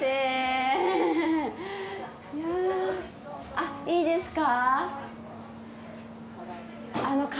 あっいいですか。